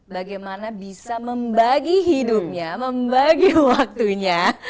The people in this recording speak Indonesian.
bagaimana bisa membagi hidupnya membagi waktunya